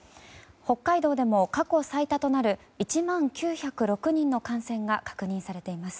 北海道でも過去最多となる１万９０６人の感染が確認されています。